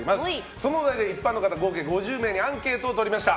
そのお題で一般の方合計５０人にアンケートを取りました。